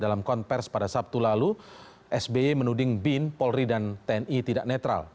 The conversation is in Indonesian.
dalam konversi pada sabtu lalu sby menuding bin polri dan tni tidak netral